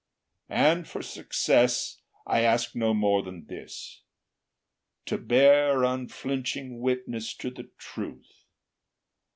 And, for success, I ask no more than this, To bear unflinching witness to the truth.